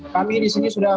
kami disini sudah